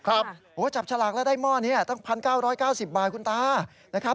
โอ้โฮจับสลักแล้วได้หม้อนนี้ต้อง๑๙๙๐บาทคุณตา